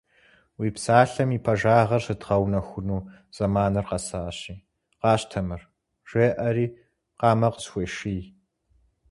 Уи псалъэм и пэжагъыр щыдгъэунэхуну зэманыр къэсащи, къащтэ мыр, — жеӀэри, къамэ къысхуеший.